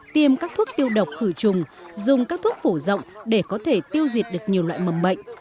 tiêm các thuốc tiêu độc khử trùng dùng các thuốc phổ rộng để có thể tiêu diệt được nhiều loại mầm bệnh